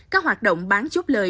các hoạt động bán chốt lời